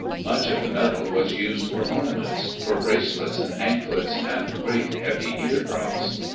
Much of the metal was used for ornaments, for bracelets and anklets and great heavy eardrops.